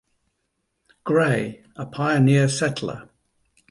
Gray, a pioneer settler.